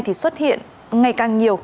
thì xuất hiện ngày càng nhiều